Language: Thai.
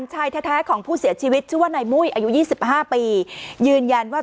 ชายแท้ของผู้เสียชีวิตชื่อว่านายมุ้ยอายุ๒๕ปียืนยันว่า